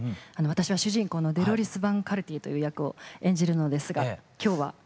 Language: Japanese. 私は主人公のデロリス・ヴァン・カルティエという役を演じるのですが今日はその。